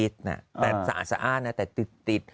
ซ้าลฟสาหรภาษี